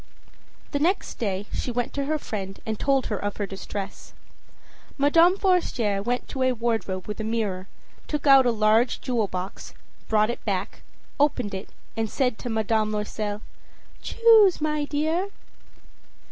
â The next day she went to her friend and told her of her distress. Madame Forestier went to a wardrobe with a mirror, took out a large jewel box, brought it back, opened it and said to Madame Loisel: âChoose, my dear.